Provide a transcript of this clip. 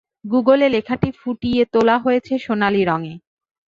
গুগলে লেখাটি ফুটিয়ে তোলা হয়েছে সোনালি রঙে।